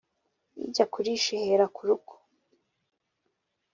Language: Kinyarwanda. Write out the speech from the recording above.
ijya kurisha ihera ku rugo.